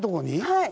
はい。